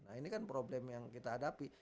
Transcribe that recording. nah ini kan problem yang kita hadapi